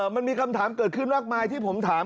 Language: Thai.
มันมีคำถามเกิดขึ้นมากมายที่ผมถาม